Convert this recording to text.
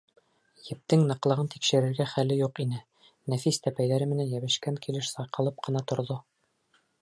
Ептең ныҡлығын тикшерергә хәле юҡ ине, нәфис тәпәйҙәре менән йәбешкән килеш сайҡалып ҡына торҙо.